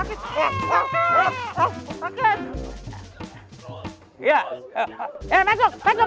gw gigit ke benung